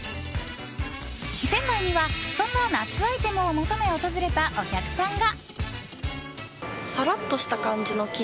店内にはそんな夏アイテムを求め訪れたお客さんが。